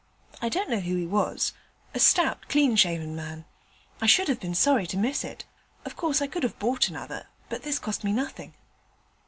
I don't know who he was a stout, clean shaven man. I should have been sorry to miss it; of course I could have bought another, but this cost me nothing."